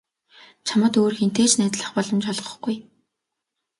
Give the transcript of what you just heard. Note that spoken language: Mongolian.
Чамд өөр хэнтэй ч найзлах боломж олгохгүй.